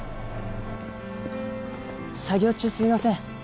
作業中すみません。